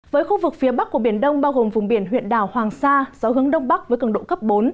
với khu vực phía bắc của biển đông bao gồm vùng biển huyện đảo hoàng sa gió hướng đông bắc với cường độ cấp bốn